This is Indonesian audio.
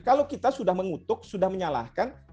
kalau kita sudah mengutuk sudah menyalahkan